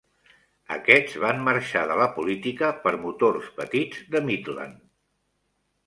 Aquests van marxar de la política per motors petits de Midland.